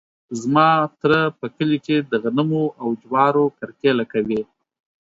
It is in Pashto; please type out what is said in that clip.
زما تره په کلي کې د غنمو او جوارو کرکیله کوي.